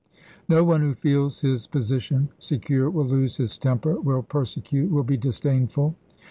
No one who feels his position secure will lose his temper, will persecute, will be disdainful.